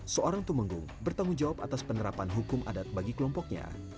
seorang tumenggung bertanggung jawab atas penerapan hukum adat bagi kelompoknya